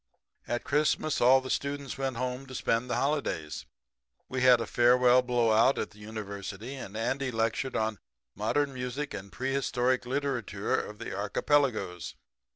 "At Christmas all the students went home to spend the holidays. We had a farewell blowout at the University, and Andy lectured on 'Modern Music and Prehistoric Literature of the Archipelagos.'